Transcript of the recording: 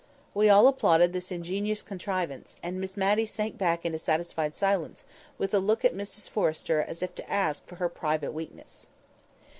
We all applauded this ingenious contrivance, and Miss Matty sank back into satisfied silence, with a look at Mrs Forrester as if to ask for her private weakness.